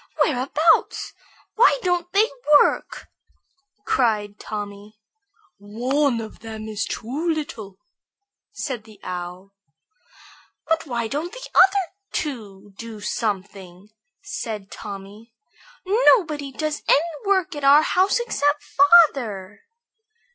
Whereabouts? Why don't they work?" cried Tommy. "One of them is too little," said the Owl. "But why don't the other two do something?" said Tommy. "Nobody does any work at our house except father."